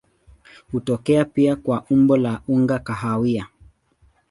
Hutokea pia kwa umbo la unga kahawia.